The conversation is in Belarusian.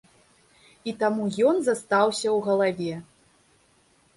І таму ён застаўся ў галаве.